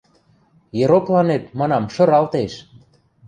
— Еропланет, манам, шыралтеш!